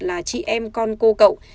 là chị em con cô cậu